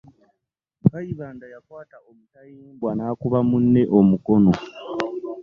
Kayibanda yakwata omutayimbwa n'akuba munne omukono.